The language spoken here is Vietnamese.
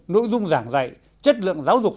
nội dung giảng dạy chất lượng giáo dục